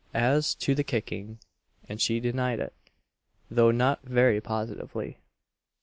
As to the kicking, &c., she denied it; though not very positively.